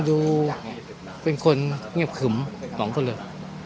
ก็ดูเป็นคนเงียบขึมของเขาเลย